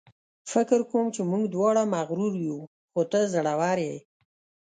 فکر کوم چې موږ دواړه مغرور یو، خو ته زړوره یې.